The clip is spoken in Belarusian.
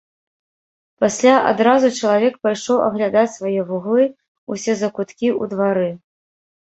Пасля адразу чалавек пайшоў аглядаць свае вуглы, усе закуткі ў двары.